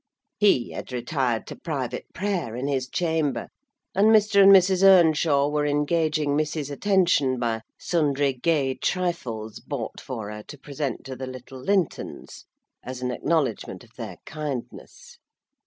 He had retired to private prayer in his chamber, and Mr. and Mrs. Earnshaw were engaging Missy's attention by sundry gay trifles bought for her to present to the little Lintons, as an acknowledgment of their kindness.